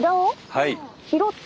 はい。